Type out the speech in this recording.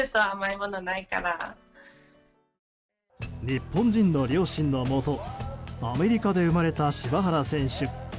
日本人の両親のもとアメリカで生まれた柴原選手。